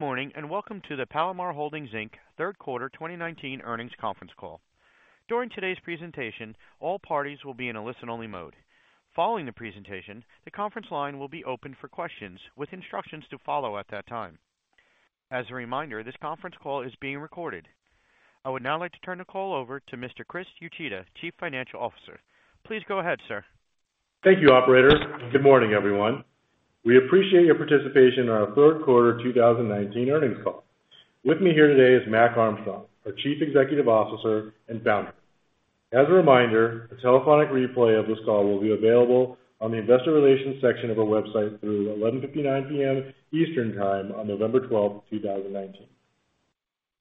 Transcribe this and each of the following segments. Good morning, and welcome to the Palomar Holdings, Inc. third quarter 2019 earnings conference call. During today's presentation, all parties will be in a listen-only mode. Following the presentation, the conference line will be opened for questions with instructions to follow at that time. As a reminder, this conference call is being recorded. I would now like to turn the call over to Mr. Chris Uchida, Chief Financial Officer. Please go ahead, sir. Thank you, operator. Good morning, everyone. We appreciate your participation in our third quarter 2019 earnings call. With me here today is Mac Armstrong, our Chief Executive Officer and Founder. As a reminder, a telephonic replay of this call will be available on the investor relations section of our website through 11:59 P.M. Eastern Time on November 12, 2019.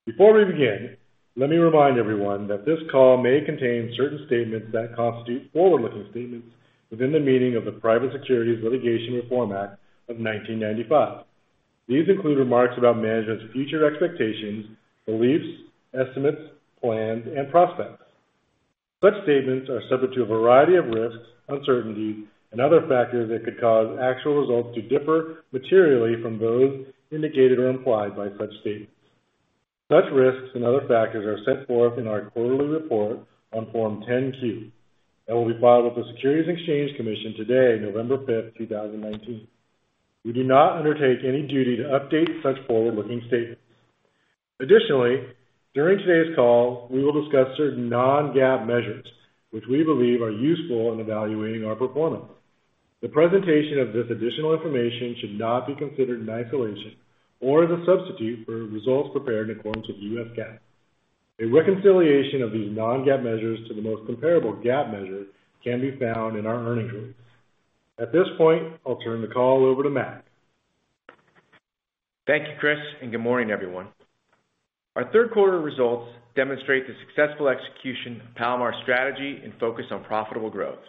Before we begin, let me remind everyone that this call may contain certain statements that constitute forward-looking statements within the meaning of the Private Securities Litigation Reform Act of 1995. These include remarks about management's future expectations, beliefs, estimates, plans, and prospects. Such statements are subject to a variety of risks, uncertainties, and other factors that could cause actual results to differ materially from those indicated or implied by such statements. Such risks and other factors are set forth in our quarterly report on Form 10-Q that will be filed with the Securities and Exchange Commission today, November 5, 2019. We do not undertake any duty to update such forward-looking statements. During today's call, we will discuss certain non-GAAP measures, which we believe are useful in evaluating our performance. The presentation of this additional information should not be considered in isolation or as a substitute for results prepared in accordance with U.S. GAAP. A reconciliation of these non-GAAP measures to the most comparable GAAP measure can be found in our earnings release. At this point, I'll turn the call over to Mac. Thank you, Chris. Good morning, everyone. Our third quarter results demonstrate the successful execution of Palomar's strategy and focus on profitable growth.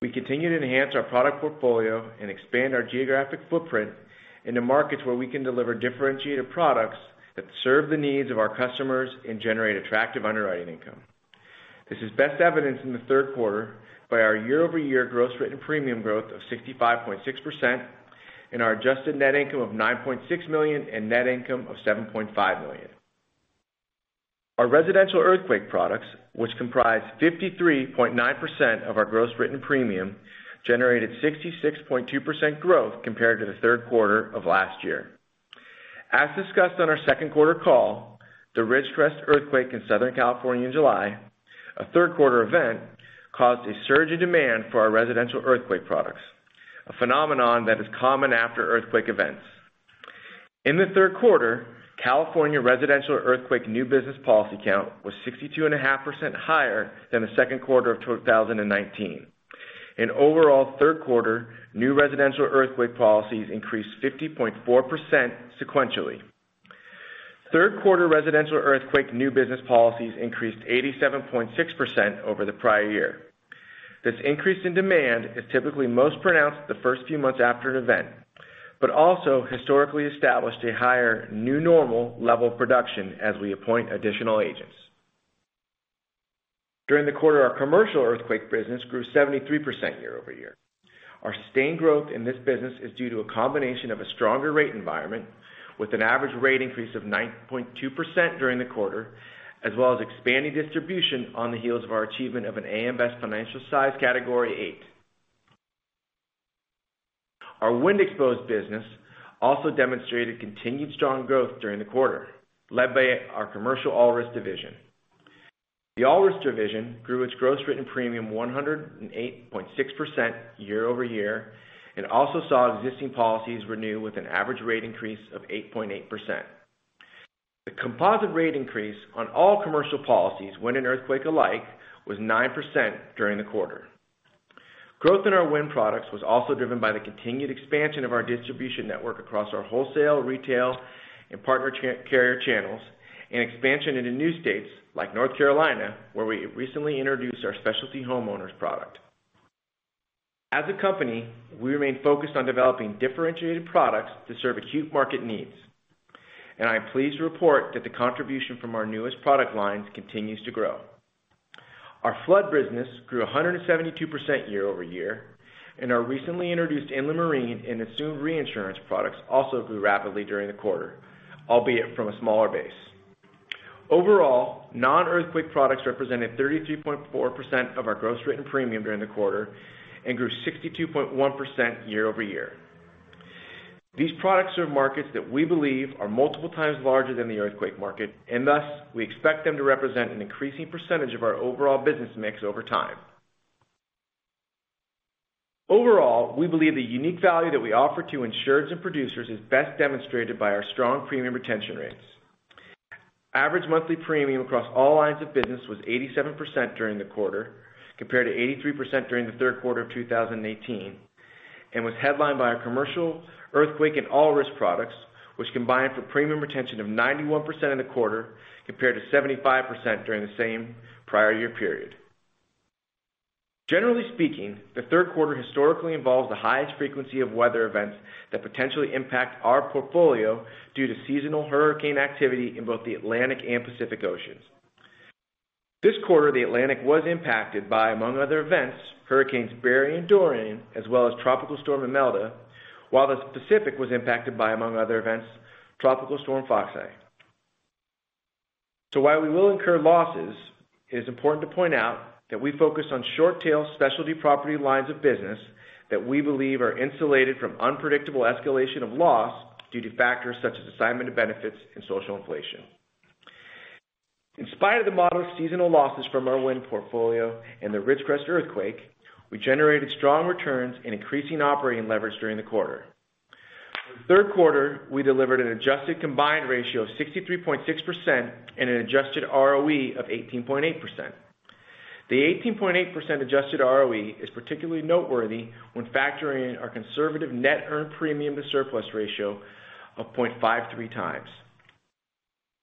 We continue to enhance our product portfolio and expand our geographic footprint into markets where we can deliver differentiated products that serve the needs of our customers and generate attractive underwriting income. This is best evidenced in the third quarter by our year-over-year gross written premium growth of 65.6% and our adjusted net income of $9.6 million and net income of $7.5 million. Our residential earthquake products, which comprise 53.9% of our gross written premium, generated 66.2% growth compared to the third quarter of last year. As discussed on our second quarter call, the Ridgecrest Earthquake in Southern California in July, a third quarter event, caused a surge in demand for our residential earthquake products, a phenomenon that is common after earthquake events. In the third quarter, California residential earthquake new business policy count was 62.5% higher than the second quarter of 2019, and overall third quarter new residential earthquake policies increased 50.4% sequentially. Third quarter residential earthquake new business policies increased 87.6% over the prior year. This increase in demand is typically most pronounced the first few months after an event, also historically established a higher new normal level of production as we appoint additional agents. During the quarter, our commercial earthquake business grew 73% year-over-year. Our sustained growth in this business is due to a combination of a stronger rate environment with an average rate increase of 9.2% during the quarter, as well as expanding distribution on the heels of our achievement of an A.M. Best Financial Size Category VIII. Our wind-exposed business also demonstrated continued strong growth during the quarter, led by our commercial all-risk division. The all-risk division grew its gross written premium 108.6% year-over-year and also saw existing policies renew with an average rate increase of 8.8%. The composite rate increase on all commercial policies, wind and earthquake alike, was 9% during the quarter. Growth in our wind products was also driven by the continued expansion of our distribution network across our wholesale, retail, and partner carrier channels, expansion into new states like North Carolina, where we recently introduced our specialty homeowners product. As a company, we remain focused on developing differentiated products to serve acute market needs, I'm pleased to report that the contribution from our newest product lines continues to grow. Our flood business grew 172% year-over-year, our recently introduced inland marine and assumed reinsurance products also grew rapidly during the quarter, albeit from a smaller base. Overall, non-earthquake products represented 33.4% of our gross written premium during the quarter grew 62.1% year-over-year. These products serve markets that we believe are multiple times larger than the earthquake market, thus, we expect them to represent an increasing percentage of our overall business mix over time. Overall, we believe the unique value that we offer to insurers and producers is best demonstrated by our strong premium retention rates. Average monthly premium across all lines of business was 87% during the quarter, compared to 83% during the third quarter of 2018, was headlined by our commercial earthquake and all-risk products, which combined for premium retention of 91% in the quarter compared to 75% during the same prior year period. Generally speaking, the third quarter historically involves the highest frequency of weather events that potentially impact our portfolio due to seasonal hurricane activity in both the Atlantic and Pacific Oceans. This quarter, the Atlantic was impacted by, among other events, Hurricane Barry and Hurricane Dorian, as well as Tropical Storm Imelda, while the Pacific was impacted by, among other events, Tropical Storm Flossie. While we will incur losses, it is important to point out that we focus on short-tail specialty property lines of business that we believe are insulated from unpredictable escalation of loss due to factors such as Assignment of Benefits and social inflation. In spite of the moderate seasonal losses from our wind portfolio and the Ridgecrest earthquake, we generated strong returns and increasing operating leverage during the quarter. For the third quarter, we delivered an adjusted combined ratio of 63.6% an adjusted ROE of 18.8%. The 18.8% adjusted ROE is particularly noteworthy when factoring in our conservative net earned premium to surplus ratio of 0.53 times.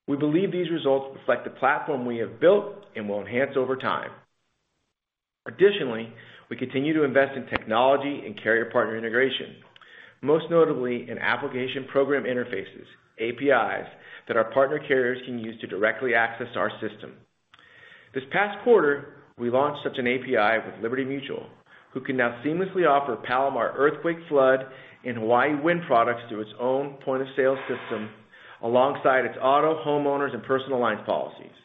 We believe these results reflect the platform we have built and will enhance over time. Additionally, we continue to invest in technology and carrier partner integration, most notably in application program interfaces, APIs, that our partner carriers can use to directly access our system. This past quarter, we launched such an API with Liberty Mutual, who can now seamlessly offer Palomar earthquake, flood, and Hawaii wind products through its own point-of-sale system alongside its auto, homeowners, and personal line policies.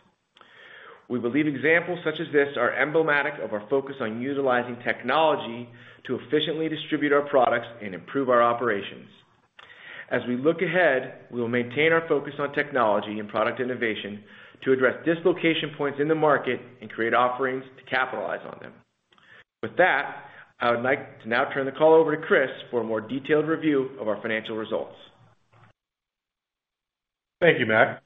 We believe examples such as this are emblematic of our focus on utilizing technology to efficiently distribute our products and improve our operations. As we look ahead, we will maintain our focus on technology and product innovation to address dislocation points in the market and create offerings to capitalize on them. With that, I would like to now turn the call over to Chris for a more detailed review of our financial results. Thank you, Mac.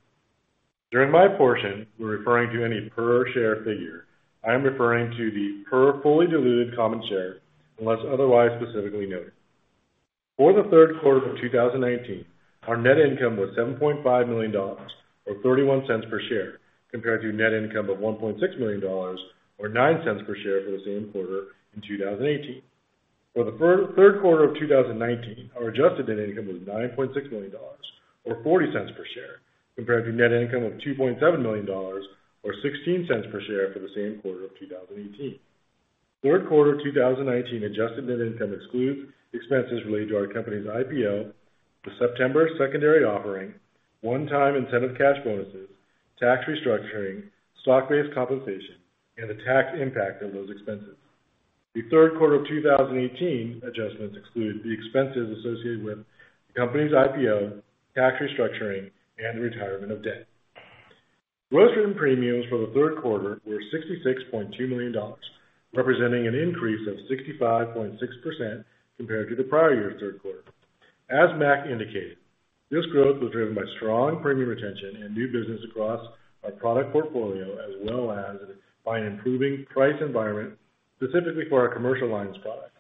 During my portion, when referring to any per share figure, I am referring to the per fully diluted common share, unless otherwise specifically noted. For the third quarter of 2019, our net income was $7.5 million, or $0.31 per share, compared to net income of $1.6 million, or $0.09 per share for the same quarter in 2018. For the third quarter of 2019, our adjusted net income was $9.6 million or $0.40 per share, compared to net income of $2.7 million or $0.16 per share for the same quarter of 2018. Third quarter 2019 adjusted net income excludes expenses related to our company's IPO, the September secondary offering, one-time incentive cash bonuses, tax restructuring, stock-based compensation, and the tax impact of those expenses. The third quarter of 2018 adjustments exclude the expenses associated with the company's IPO, tax restructuring, and retirement of debt. Gross written premiums for the third quarter were $66.2 million, representing an increase of 65.6% compared to the prior year's third quarter. As Mac indicated, this growth was driven by strong premium retention and new business across our product portfolio as well as by an improving price environment specifically for our commercial lines products,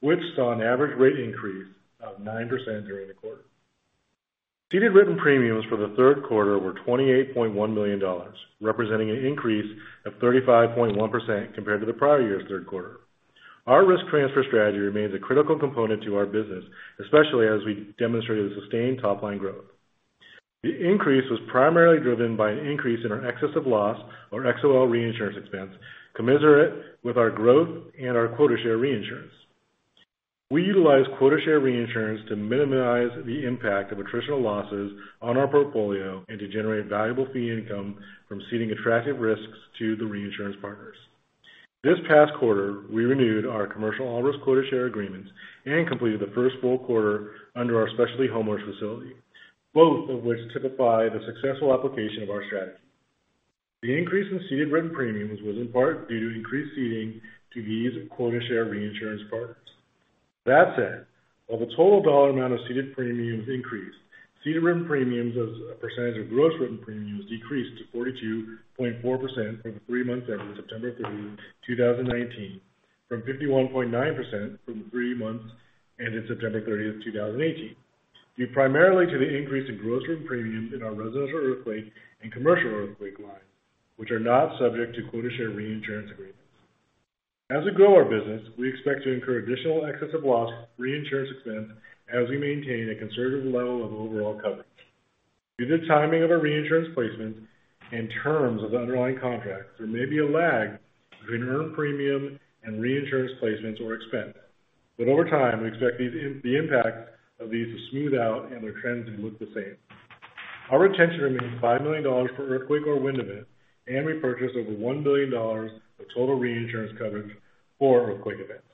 which saw an average rate increase of 9% during the quarter. Ceded written premiums for the third quarter were $28.1 million, representing an increase of 35.1% compared to the prior year's third quarter. Our risk transfer strategy remains a critical component to our business, especially as we demonstrate a sustained top-line growth. The increase was primarily driven by an increase in our excess of loss, or XOL reinsurance expense, commensurate with our growth and our quota share reinsurance. We utilize quota share reinsurance to minimize the impact of attritional losses on our portfolio and to generate valuable fee income from ceding attractive risks to the reinsurance partners. This past quarter, we renewed our commercial all risk quota share agreements and completed the first full quarter under our specialty homeowners facility, both of which typify the successful application of our strategy. The increase in ceded written premiums was in part due to increased ceding to these quota share reinsurance partners. That said, while the total dollar amount of ceded premiums increased, ceded written premiums as a percentage of gross written premiums decreased to 42.4% for the three months ending September 30th, 2019 from 51.9% from the three months ending September 30th, 2018, due primarily to the increase in gross written premiums in our residential earthquake and commercial earthquake lines, which are not subject to quota share reinsurance agreements. As we grow our business, we expect to incur additional excess of loss reinsurance expense as we maintain a conservative level of overall coverage. Due to the timing of our reinsurance placements and terms of the underlying contracts, there may be a lag between earned premium and reinsurance placements or expense. Over time, we expect the impact of these to smooth out and their trends to look the same. Our retention remains $5 million per earthquake or wind event, and we purchased over $1 billion of total reinsurance coverage for earthquake events.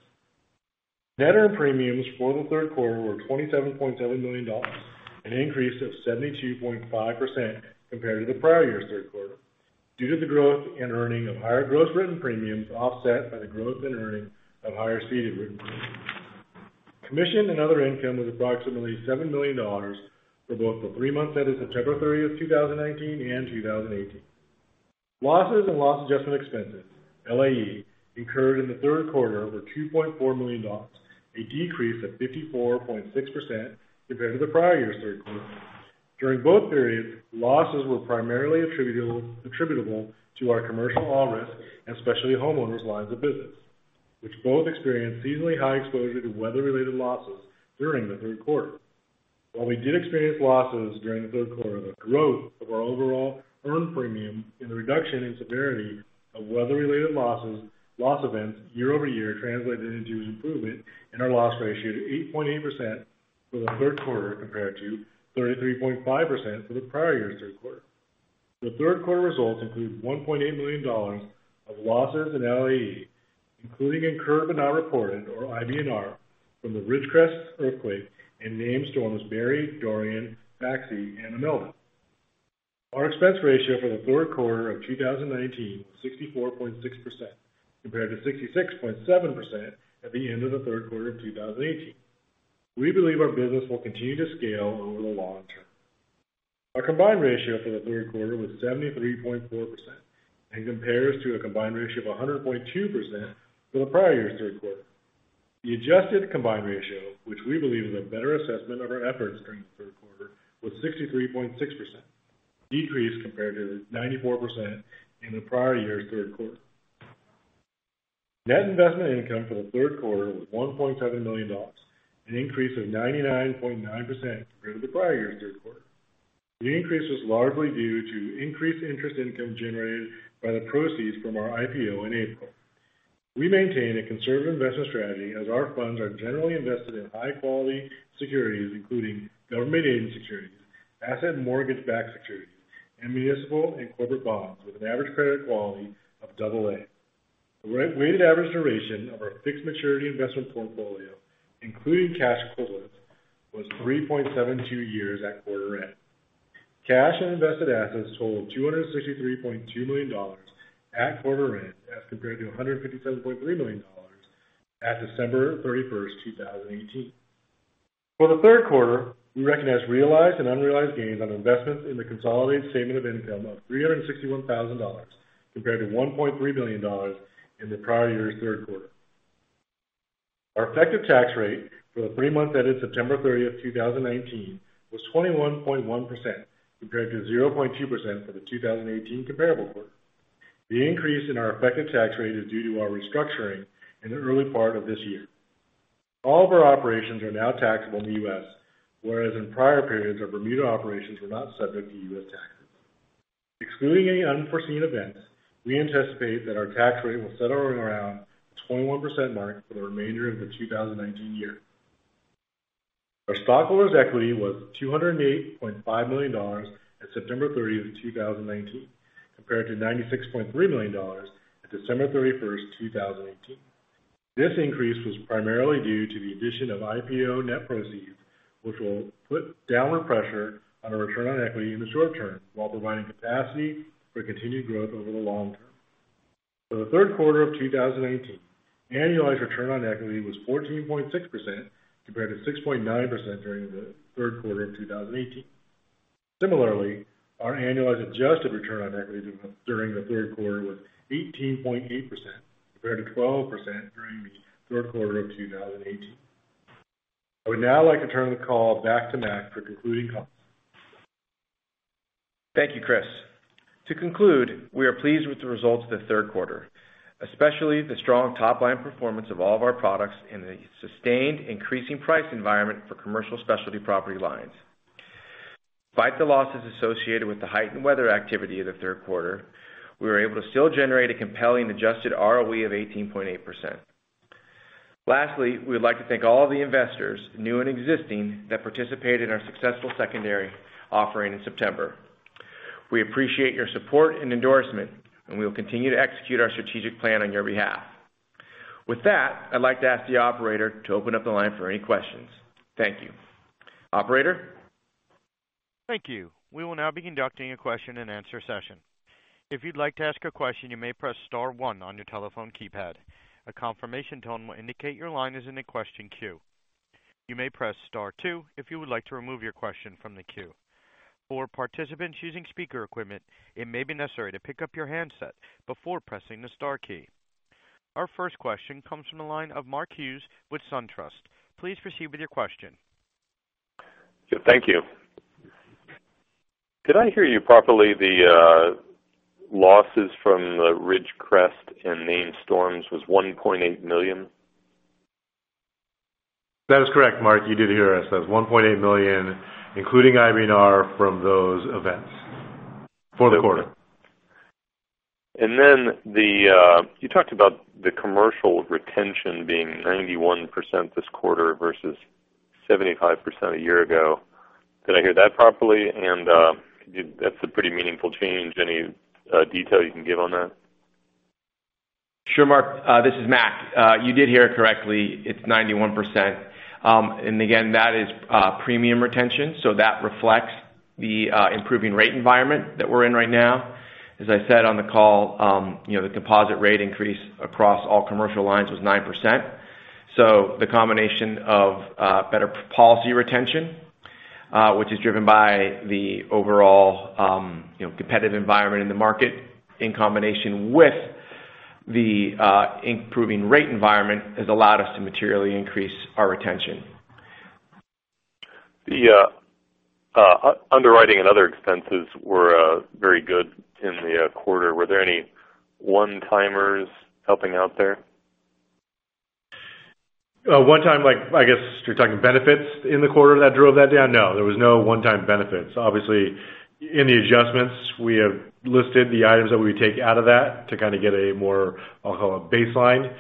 Net earned premiums for the third quarter were $27.7 million, an increase of 72.5% compared to the prior year's third quarter, due to the growth and earning of higher gross written premiums offset by the growth and earning of higher ceded written premiums. Commission and other income was approximately $7 million for both the three months ending September 30th, 2019 and 2018. Losses and loss adjustment expenses, LAE, incurred in the third quarter were $2.4 million, a decrease of 54.6% compared to the prior year's third quarter. During both periods, losses were primarily attributable to our commercial all risk and specialty homeowners' lines of business, which both experienced seasonally high exposure to weather-related losses during the third quarter. While we did experience losses during the third quarter, the growth of our overall earned premium and the reduction in severity of weather-related loss events year-over-year translated into improvement in our loss ratio to 8.8% for the third quarter compared to 33.5% for the prior year's third quarter. The third quarter results include $1.8 million of losses in LAE, including incurred but not reported, or IBNR, from the Ridgecrest earthquake and named storms Barry, Dorian, Maxie, and Imelda. Our expense ratio for the third quarter of 2019 was 64.6%, compared to 66.7% at the end of the third quarter of 2018. We believe our business will continue to scale over the long term. Our combined ratio for the third quarter was 73.4% and compares to a combined ratio of 100.2% for the prior year's third quarter. The adjusted combined ratio, which we believe is a better assessment of our efforts during the third quarter, was 63.6%, a decrease compared to the 94% in the prior year's third quarter. Net investment income for the third quarter was $1.7 million, an increase of 99.9% compared to the prior year's third quarter. The increase was largely due to increased interest income generated by the proceeds from our IPO in April. We maintain a conservative investment strategy as our funds are generally invested in high-quality securities, including government agency securities, agency mortgage-backed securities, and municipal and corporate bonds with an average credit quality of double A. The weighted average duration of our fixed maturity investment portfolio, including cash equivalents, was 3.72 years at quarter end. Cash and invested assets totaled $263.2 million at quarter end as compared to $157.3 million at December 31st, 2018. For the third quarter, we recognized realized and unrealized gains on investments in the consolidated statement of income of $361,000, compared to $1.3 million in the prior year's third quarter. Our effective tax rate for the three months ended September 30th, 2019 was 21.1%, compared to 0.2% for the 2018 comparable quarter. The increase in our effective tax rate is due to our restructuring in the early part of this year. All of our operations are now taxable in the U.S., whereas in prior periods, our Bermuda operations were not subject to U.S. taxes. Excluding any unforeseen events, we anticipate that our tax rate will settle around the 21% mark for the remainder of the 2019 year. Our stockholders' equity was $208.5 million at September 30th, 2019, compared to $96.3 million at December 31st, 2018. This increase was primarily due to the addition of IPO net proceeds, which will put downward pressure on a return on equity in the short term while providing capacity for continued growth over the long term. For the third quarter of 2018, annualized return on equity was 14.6%, compared to 6.9% during the third quarter in 2018. Our annualized adjusted return on equity during the third quarter was 18.8%, compared to 12% during the third quarter of 2018. I would now like to turn the call back to Mac for concluding comments. Thank you, Chris. To conclude, we are pleased with the results of the third quarter, especially the strong top-line performance of all of our products in the sustained increasing price environment for commercial specialty property lines. Despite the losses associated with the heightened weather activity in the third quarter, we were able to still generate a compelling adjusted ROE of 18.8%. We would like to thank all the investors, new and existing, that participated in our successful secondary offering in September. We appreciate your support and endorsement, and we will continue to execute our strategic plan on your behalf. I'd like to ask the operator to open up the line for any questions. Thank you. Operator? Thank you. We will now be conducting a question-and-answer session. If you'd like to ask a question, you may press star one on your telephone keypad. A confirmation tone will indicate your line is in the question queue. You may press star two if you would like to remove your question from the queue. For participants using speaker equipment, it may be necessary to pick up your handset before pressing the star key. Our first question comes from the line of Mark Hughes with SunTrust. Please proceed with your question. Thank you. Did I hear you properly, the losses from Ridgecrest and named storms was $1.8 million? That is correct, Mark. You did hear us. That was $1.8 million, including IBNR from those events for the quarter. Then you talked about the commercial retention being 91% this quarter versus 75% a year ago. Did I hear that properly? That's a pretty meaningful change. Any detail you can give on that? Sure, Mark. This is Mac. You did hear it correctly. It's 91%. Again, that is premium retention. That reflects the improving rate environment that we're in right now. As I said on the call, the composite rate increase across all commercial lines was 9%. The combination of better policy retention, which is driven by the overall competitive environment in the market in combination with the improving rate environment, has allowed us to materially increase our retention. The underwriting and other expenses were very good in the quarter. Were there any one-timers helping out there? One time, I guess you're talking benefits in the quarter that drove that down? No, there was no one time benefits. Obviously, in the adjustments, we have listed the items that we take out of that to get a more, I'll call it, baseline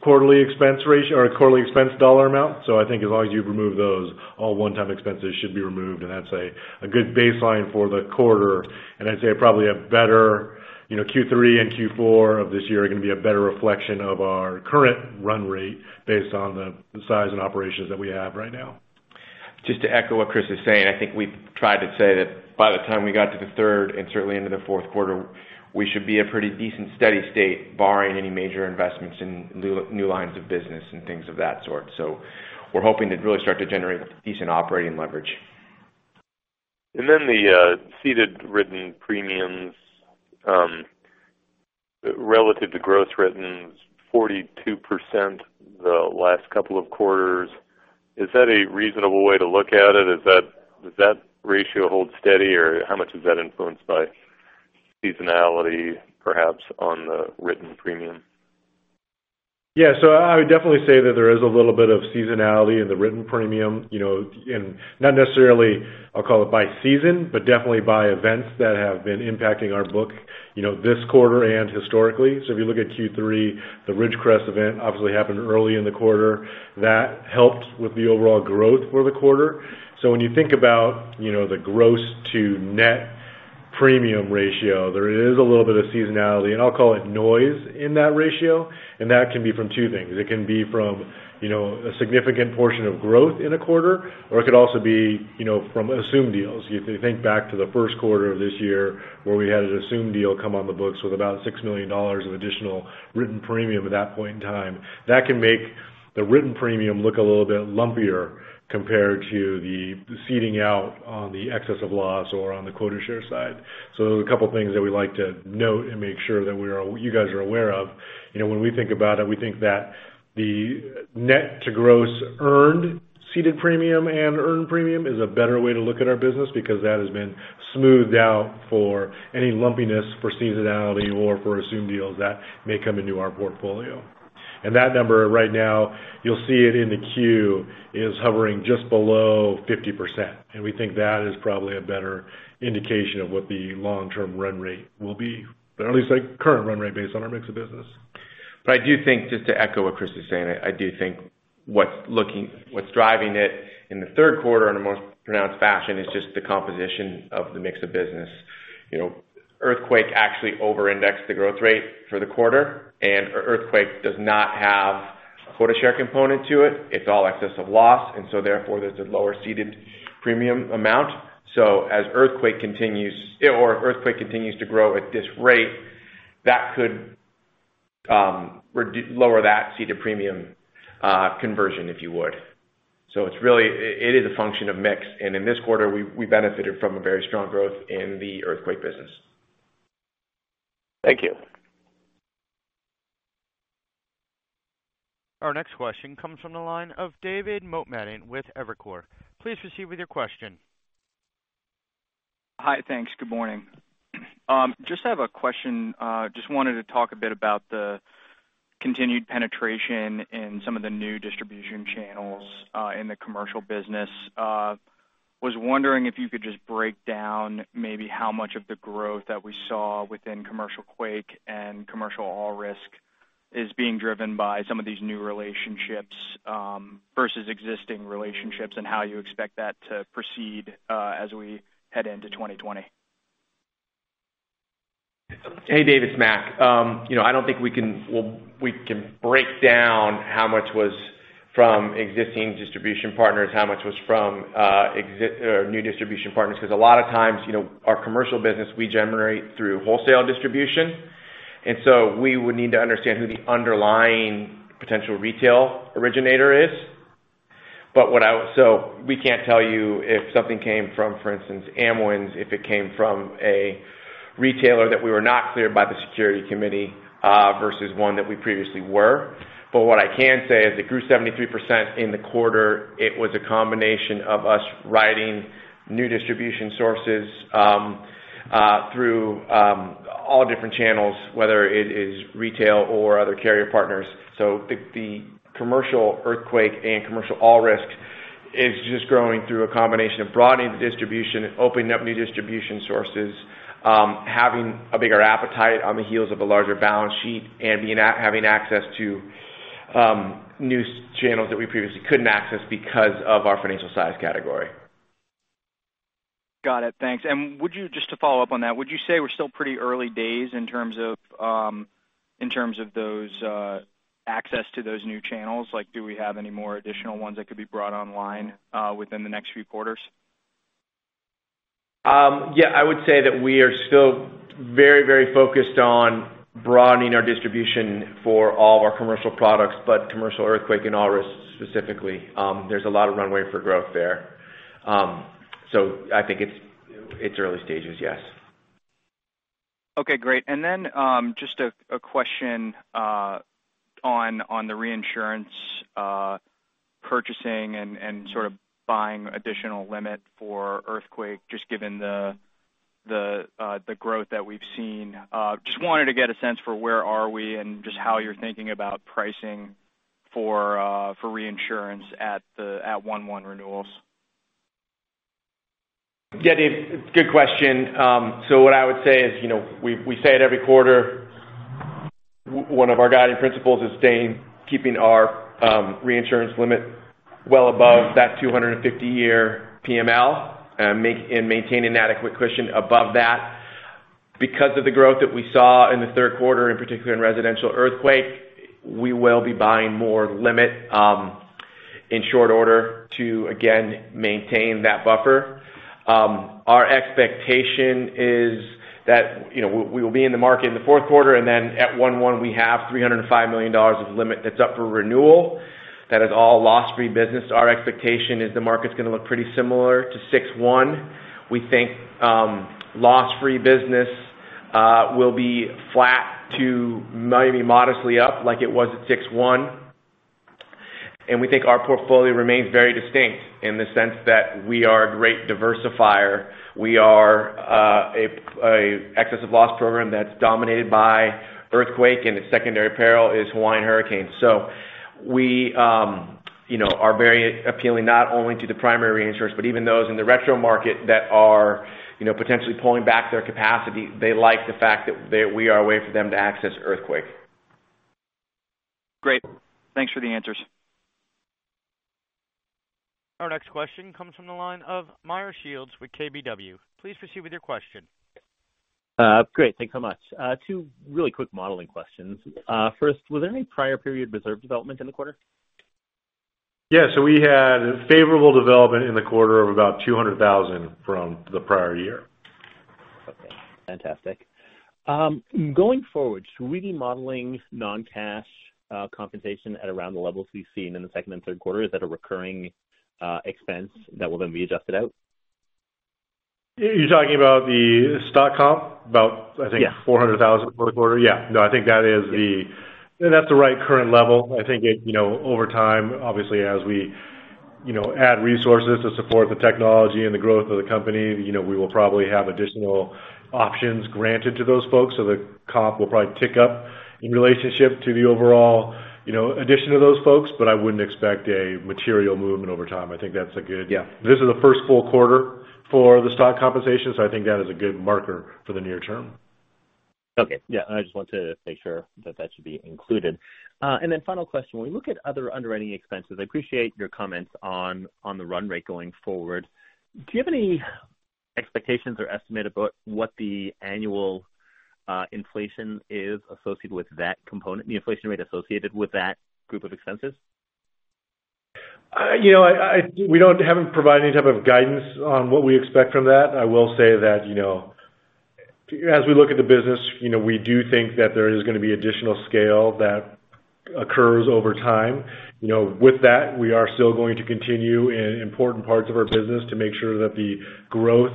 quarterly expense ratio or a quarterly expense dollar amount. I think as long as you remove those, all one time expenses should be removed, and that's a good baseline for the quarter. I'd say probably a better Q3 and Q4 of this year are going to be a better reflection of our current run rate based on the size and operations that we have right now. Just to echo what Chris is saying, I think we've tried to say that by the time we got to the third and certainly into the fourth quarter, we should be at pretty decent steady state, barring any major investments in new lines of business and things of that sort. We're hoping to really start to generate a decent operating leverage. The ceded written premiums relative to gross written is 42% the last couple of quarters. Is that a reasonable way to look at it? Does that ratio hold steady or how much is that influenced by seasonality perhaps on the written premium? I would definitely say that there is a little bit of seasonality in the written premium. Not necessarily, I'll call it, by season, but definitely by events that have been impacting our book this quarter and historically. If you look at Q3, the Ridgecrest event obviously happened early in the quarter. That helped with the overall growth for the quarter. When you think about the gross to net premium ratio, there is a little bit of seasonality, and I'll call it noise in that ratio, and that can be from two things. It can be from a significant portion of growth in a quarter, or it could also be from assumed deals. If you think back to the first quarter of this year where we had an assumed deal come on the books with about $6 million of additional written premium at that point in time, that can make the written premium look a little bit lumpier compared to the ceding out on the excess of loss or on the quota share side. There's a couple things that we like to note and make sure that you guys are aware of. When we think about it, we think that the net to gross earned ceded premium and earned premium is a better way to look at our business because that has been smoothed out for any lumpiness for seasonality or for assumed deals that may come into our portfolio. That number right now, you'll see it in the Form 10-Q, is hovering just below 50%, and we think that is probably a better indication of what the long-term run rate will be, but at least a current run rate based on our mix of business. I do think, just to echo what Chris was saying, I do think what's driving it in the third quarter in a most pronounced fashion is just the composition of the mix of business. Earthquake actually over-indexed the growth rate for the quarter, and earthquake does not have a quota share component to it. It's all excess of loss, therefore, there's a lower ceded premium amount. As earthquake continues to grow at this rate, that could lower that ceded premium conversion, if you would. It is a function of mix, and in this quarter, we benefited from a very strong growth in the earthquake business. Thank you. Our next question comes from the line of David Motemaden with Evercore. Please proceed with your question. Hi, thanks. Good morning. Just have a question. Just wanted to talk a bit about the continued penetration in some of the new distribution channels, in the commercial business. Was wondering if you could just break down maybe how much of the growth that we saw within commercial quake and commercial all risk is being driven by some of these new relationships, versus existing relationships, and how you expect that to proceed as we head into 2020. Hey, David. It's Mac. I don't think we can break down how much was from existing distribution partners, how much was from new distribution partners, because a lot of times, our commercial business we generate through wholesale distribution. We would need to understand who the underlying potential retail originator is. We can't tell you if something came from, for instance, Amwins, if it came from a retailer that we were not cleared by the security committee versus one that we previously were. What I can say is it grew 73% in the quarter. It was a combination of us writing new distribution sources through all different channels, whether it is retail or other carrier partners. The commercial earthquake and commercial all risks is just growing through a combination of broadening the distribution, opening up new distribution sources, having a bigger appetite on the heels of a larger balance sheet, and having access to new channels that we previously couldn't access because of our financial size category. Got it. Thanks. Just to follow up on that, would you say we're still pretty early days in terms of access to those new channels? Do we have any more additional ones that could be brought online within the next few quarters? Yeah, I would say that we are still very focused on broadening our distribution for all of our commercial products, but commercial earthquake and all risks specifically. There's a lot of runway for growth there. I think it's early stages, yes. Okay, great. Then, just a question on the reinsurance purchasing and buying additional limit for earthquake, just given the growth that we've seen. Just wanted to get a sense for where are we and just how you're thinking about pricing for reinsurance at one-one renewals. Yeah, Dave, good question. What I would say is, we say it every quarter, one of our guiding principles is keeping our reinsurance limit well above that 250-year PML and maintaining an adequate cushion above that. Because of the growth that we saw in the third quarter, in particular in residential earthquake, we will be buying more limit in short order to, again, maintain that buffer. Our expectation is that we will be in the market in the fourth quarter, then at one-one, we have $305 million of limit that's up for renewal. That is all loss-free business. Our expectation is the market's going to look pretty similar to six-one. We think loss-free business will be flat to maybe modestly up like it was at six-one. We think our portfolio remains very distinct in the sense that we are a great diversifier. We are an excess of loss program that's dominated by earthquake, and its secondary peril is Hawaiian hurricanes. We are very appealing not only to the primary reinsurers, but even those in the retro market that are potentially pulling back their capacity. They like the fact that we are a way for them to access earthquake. Great. Thanks for the answers. Our next question comes from the line of Meyer Shields with KBW. Please proceed with your question. Great. Thanks so much. Two really quick modeling questions. First, was there any prior period reserve development in the quarter? Yeah. We had favorable development in the quarter of about $200,000 from the prior year. Okay, fantastic. Going forward, should we be modeling non-cash compensation at around the levels we've seen in the second and third quarter? Is that a recurring expense that will then be adjusted out? You're talking about the stock comp? Yeah $400,000 per quarter? Yeah, no, I think that's the right current level. I think over time, obviously as we add resources to support the technology and the growth of the company, we will probably have additional options granted to those folks. The comp will probably tick up in relationship to the overall addition to those folks. I wouldn't expect a material movement over time. Yeah. This is the first full quarter for the stock compensation. I think that is a good marker for the near term. Okay. Yeah. I just wanted to make sure that that should be included. Final question, when we look at other underwriting expenses, I appreciate your comments on the run rate going forward. Do you have any expectations or estimate about what the annual inflation is associated with that component, the inflation rate associated with that group of expenses? We haven't provided any type of guidance on what we expect from that. I will say that, as we look at the business, we do think that there is going to be additional scale that occurs over time. With that, we are still going to continue in important parts of our business to make sure that the growth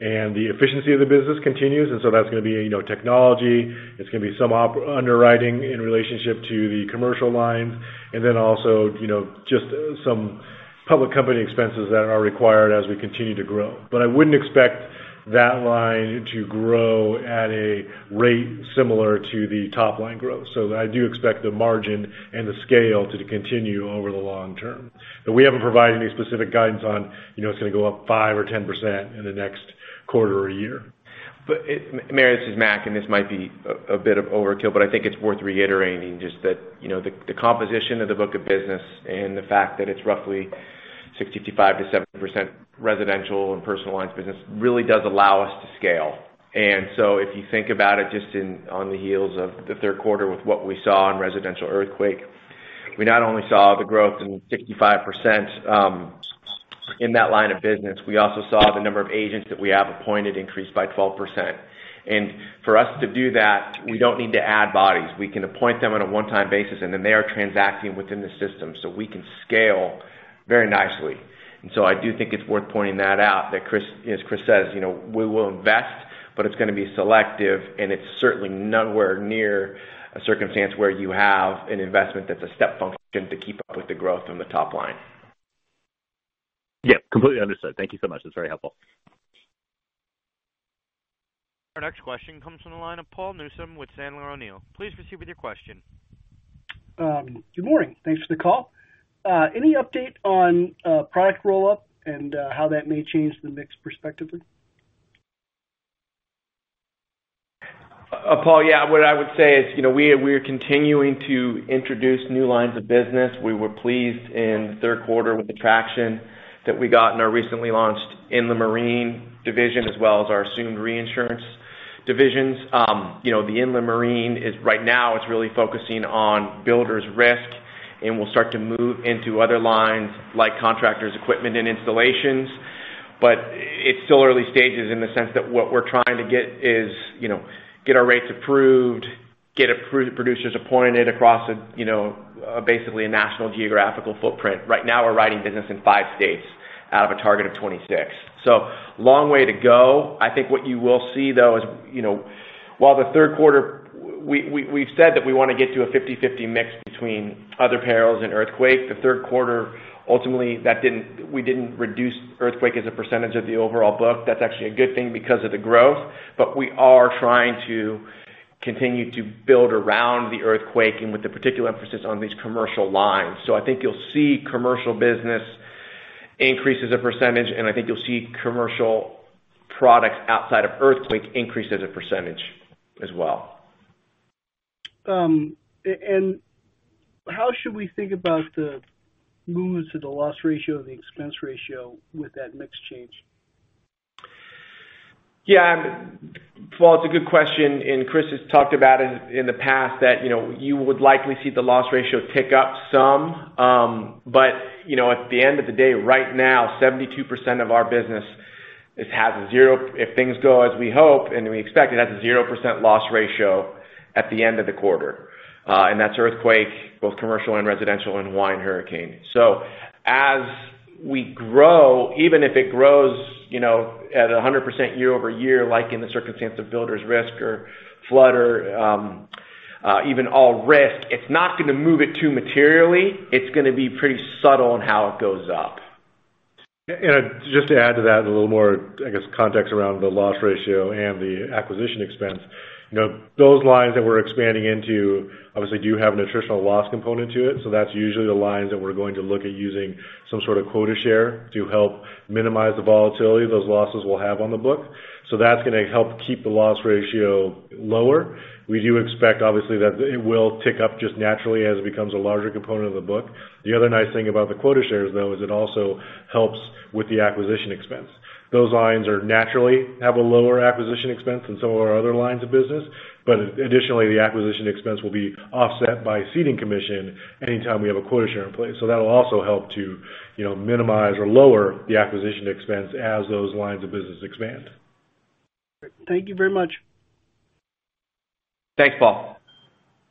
and the efficiency of the business continues. That's going to be technology. It's going to be some underwriting in relationship to the commercial lines and then also just some public company expenses that are required as we continue to grow. I wouldn't expect that line to grow at a rate similar to the top-line growth. I do expect the margin and the scale to continue over the long term. We haven't provided any specific guidance on it's going to go up 5% or 10% in the next quarter or year. Meyer, this is Mac, this might be a bit of overkill, but I think it's worth reiterating just that the composition of the book of business and the fact that it's roughly 65%-70% residential and personal lines business really does allow us to scale. If you think about it just on the heels of the third quarter with what we saw in residential earthquake, we not only saw the growth in 65% in that line of business, we also saw the number of agents that we have appointed increase by 12%. For us to do that, we don't need to add bodies. We can appoint them on a one-time basis, and then they are transacting within the system, so we can scale very nicely. I do think it's worth pointing that out, that as Chris says, we will invest, it's going to be selective, and it's certainly nowhere near a circumstance where you have an investment that's a step function to keep up with the growth on the top line. Completely understood. Thank you so much. That's very helpful. Our next question comes from the line of Paul Newsome with Sandler O'Neill. Please proceed with your question. Good morning. Thanks for the call. Any update on product roll-up and how that may change the mix prospectively? Paul, what I would say is we are continuing to introduce new lines of business. We were pleased in the third quarter with the traction that we got in our recently launched inland marine division, as well as our assumed reinsurance divisions. The inland marine is right now, it's really focusing on builders risk, and we'll start to move into other lines like contractors equipment and installations. It's still early stages in the sense that what we're trying to get is get our rates approved, get producers appointed across basically a national geographical footprint. Right now, we're writing business in five states out of a target of 26. Long way to go. I think what you will see, though, is while the third quarter, we've said that we want to get to a 50-50 mix between other perils and earthquake. The third quarter, ultimately, we didn't reduce earthquake as a percentage of the overall book. That's actually a good thing because of the growth. We are trying to continue to build around the earthquake and with the particular emphasis on these commercial lines. I think you'll see commercial business increase as a percentage. I think you'll see commercial products outside of earthquake increase as a percentage as well. How should we think about the movements of the loss ratio or the expense ratio with that mix change? Yeah. Paul, it's a good question. Chris has talked about it in the past that you would likely see the loss ratio tick up some. At the end of the day, right now, 72% of our business, if things go as we hope and we expect, it has a 0% loss ratio at the end of the quarter. That's earthquake, both commercial and residential, and wind hurricane. As we grow, even if it grows at 100% year-over-year, like in the circumstance of builders risk or flood or even all risk, it's not going to move it too materially. It's going to be pretty subtle on how it goes up. Just to add to that a little more, I guess, context around the loss ratio and the acquisition expense. Those lines that we're expanding into, obviously, do have an attritional loss component to it. That's usually the lines that we're going to look at using some sort of quota share to help minimize the volatility those losses will have on the book. That's going to help keep the loss ratio lower. We do expect, obviously, that it will tick up just naturally as it becomes a larger component of the book. The other nice thing about the quota shares, though, is it also helps with the acquisition expense. Those lines naturally have a lower acquisition expense than some of our other lines of business. Additionally, the acquisition expense will be offset by ceding commission anytime we have a quota share in place. That will also help to minimize or lower the acquisition expense as those lines of business expand. Great. Thank you very much. Thanks, Paul.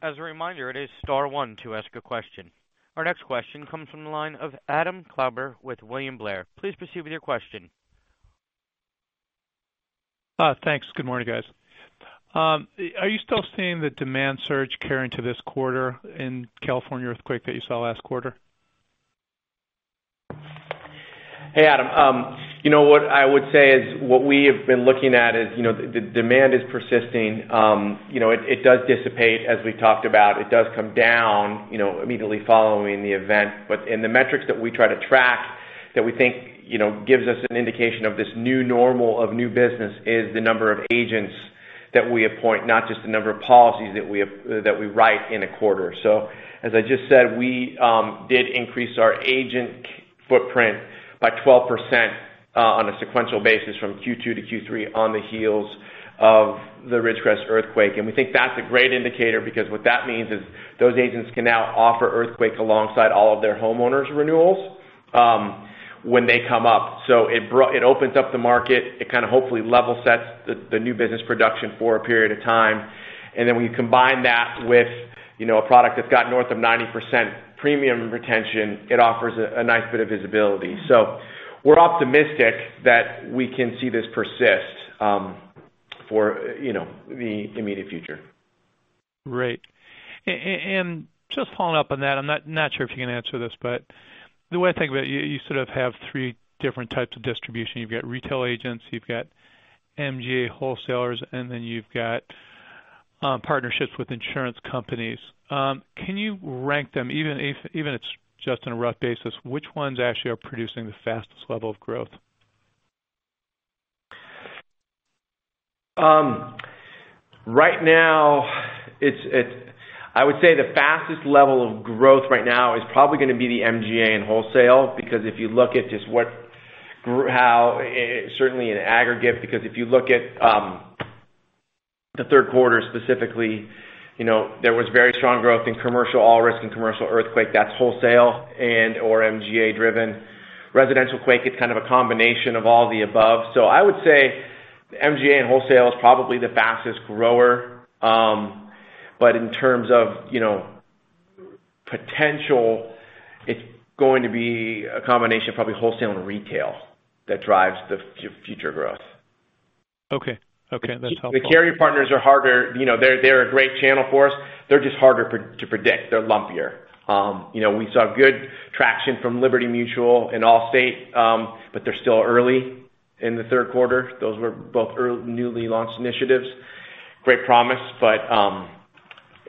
As a reminder, it is star one to ask a question. Our next question comes from the line of Adam Klauber with William Blair. Please proceed with your question. Thanks. Good morning, guys. Are you still seeing the demand surge carry into this quarter in California earthquake that you saw last quarter? Hey, Adam. What I would say is what we have been looking at is the demand is persisting. It does dissipate, as we've talked about. It does come down immediately following the event. In the metrics that we try to track, that we think gives us an indication of this new normal of new business is the number of agents that we appoint, not just the number of policies that we write in a quarter. As I just said, we did increase our agent footprint by 12% on a sequential basis from Q2 to Q3 on the heels of the Ridgecrest earthquake. We think that's a great indicator because what that means is those agents can now offer earthquake alongside all of their homeowners' renewals when they come up. It opens up the market. It kind of hopefully level sets the new business production for a period of time. Then when you combine that with a product that's got north of 90% premium retention, it offers a nice bit of visibility. We're optimistic that we can see this persist for the immediate future. Great. Just following up on that, I'm not sure if you can answer this, the way I think about it, you sort of have 3 different types of distribution. You've got retail agents, you've got MGA wholesalers, then you've got partnerships with insurance companies. Can you rank them, even if it's just on a rough basis, which ones actually are producing the fastest level of growth? I would say the fastest level of growth right now is probably going to be the MGA and wholesale, because if you look at just how certainly in aggregate, because if you look at the third quarter specifically, there was very strong growth in commercial all risk and commercial earthquake, that's wholesale and/or MGA-driven. Residential quake, it's kind of a combination of all the above. I would say MGA and wholesale is probably the fastest grower. In terms of potential, it's going to be a combination of probably wholesale and retail that drives the future growth. Okay. That's helpful. The carrier partners are harder. They're a great channel for us. They're just harder to predict. They're lumpier. We saw good traction from Liberty Mutual and Allstate, but they're still early in the third quarter. Those were both newly launched initiatives. Great promise, but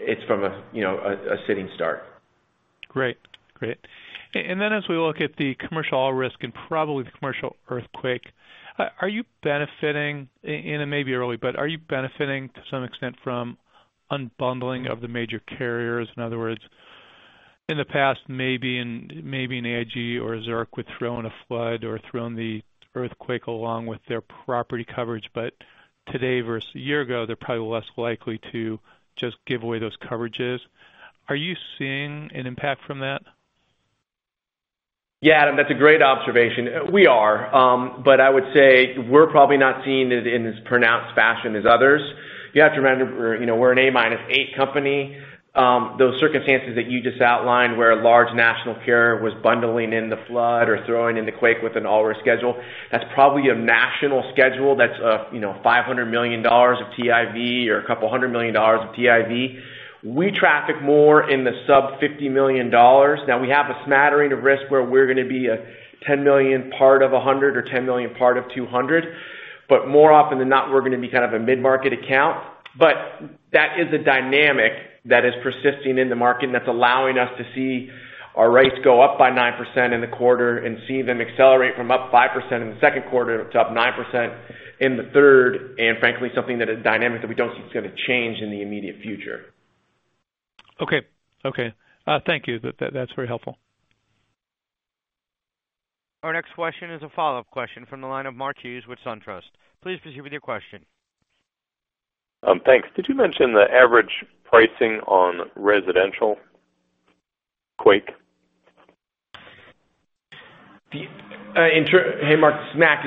it's from a sitting start. Great. As we look at the commercial all risk and probably the commercial earthquake, are you benefiting, and it may be early, but are you benefiting to some extent from unbundling of the major carriers? In other words, in the past, maybe an AIG or a Zurich would throw in a flood or throw in the earthquake along with their property coverage. Today versus a year ago, they're probably less likely to just give away those coverages. Are you seeing an impact from that? Adam, that's a great observation. We are, I would say we're probably not seeing it in as pronounced fashion as others. You have to remember, we're an A minus eight company. Those circumstances that you just outlined, where a large national carrier was bundling in the flood or throwing in the quake with an all-risk schedule, that's probably a national schedule that's $500 million of TIV or $200 million of TIV. We traffic more in the sub $50 million. Now we have a smattering of risk where we're going to be a $10 million part of 100 or $10 million part of 200. More often than not, we're going to be kind of a mid-market account. That is a dynamic that is persisting in the market, and that's allowing us to see our rates go up by 9% in the quarter and see them accelerate from up 5% in the second quarter to up 9% in the third, and frankly, something that is dynamic that we don't see is going to change in the immediate future. Okay. Thank you. That's very helpful. Our next question is a follow-up question from the line of Mark Hughes with SunTrust. Please proceed with your question. Thanks. Did you mention the average pricing on residential quake? Hey, Mark, this is Mac.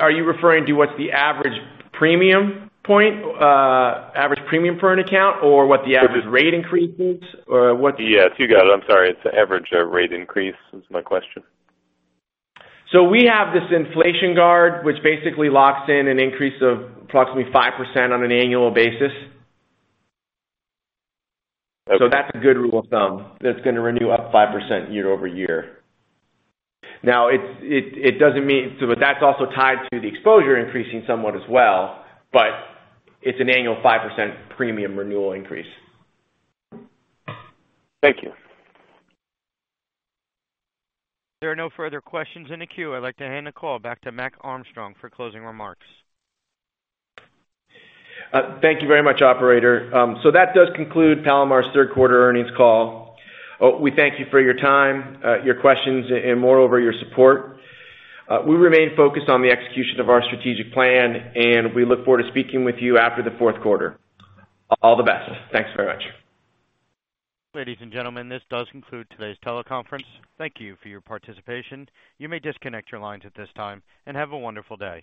Are you referring to what's the average premium point, average premium for an account, or what the average rate increase is? Yes, you got it. I'm sorry. It's the average rate increase is my question. We have this inflation guard, which basically locks in an increase of approximately 5% on an annual basis. Okay. That's a good rule of thumb. That's going to renew up 5% year-over-year. That's also tied to the exposure increasing somewhat as well, but it's an annual 5% premium renewal increase. Thank you. There are no further questions in the queue. I'd like to hand the call back to Mac Armstrong for closing remarks. Thank you very much, operator. That does conclude Palomar's third quarter earnings call. We thank you for your time, your questions, and moreover, your support. We remain focused on the execution of our strategic plan, and we look forward to speaking with you after the fourth quarter. All the best. Thanks very much. Ladies and gentlemen, this does conclude today's teleconference. Thank you for your participation. You may disconnect your lines at this time, have a wonderful day.